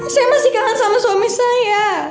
saya masih kangen sama suami saya